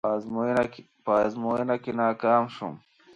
په ازموينه کې ناکام شوم.